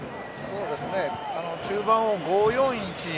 中盤を５−４−１。